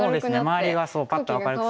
周りがすごいパッと明るく。